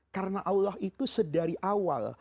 karena allah itu sedari awal